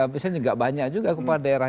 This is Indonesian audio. misalnya juga banyak juga kepala daerah